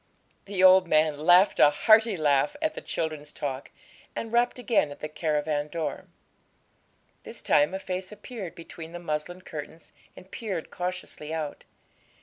The old man laughed a hearty laugh at the children's talk, and rapped again at the caravan door. This time a face appeared between the muslin curtains and peered cautiously out.